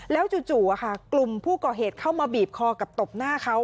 แล้วจู่กลุ่มผู้ก่อเหตุเข้ามาบีบคอกับตบหน้าเขา